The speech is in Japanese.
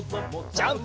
ジャンプ！